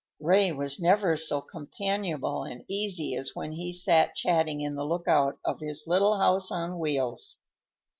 Ray was never so companionable and easy as when he sat chatting in the lookout of his little house on wheels.